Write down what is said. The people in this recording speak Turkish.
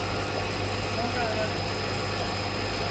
Sonra ararım seni.